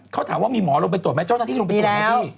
เขาถามว่ามีหมอลงไปตรวจไหมเจ้าหน้าที่ลงไปตรวจไหมพี่